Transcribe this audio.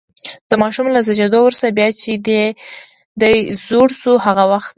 د ماشوم له زېږېدو وروسته، بیا چې دې زړه شو هغه وخت.